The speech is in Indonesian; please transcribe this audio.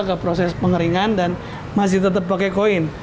ke proses pengeringan dan masih tetap pakai koin